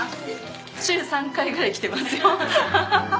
週３回ぐらい来てますよハハハ。